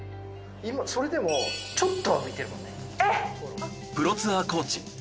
それでもちょっとは見てるのね。